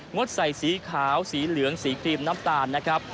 ดใส่สีขาวสีเหลืองสีครีมน้ำตาลนะครับ